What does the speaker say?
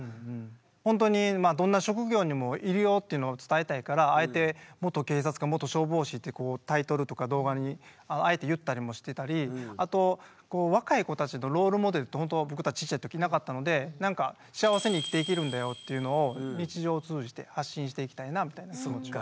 ほんとにどんな職業にもいるよっていうのを伝えたいからあえて元警察官・元消防士ってタイトルとか動画にあえて言ったりもしてたりあと若い子たちのロールモデルって僕たちちっちゃいときなかったので「幸せに生きていけるんだよ」っていうのを日常を通じて発信していきたいなみたいな気持ち。